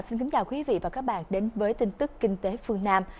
xin chào quý vị và các bạn đến với kinh tế phương nam